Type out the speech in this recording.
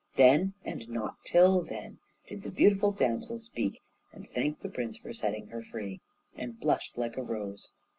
Then, and not till then, did the beautiful damsel speak and thank the prince for setting her free, and blushed like a rose.